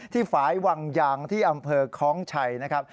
ฝ่ายวังยางที่อำเภอคล้องชัยนะครับ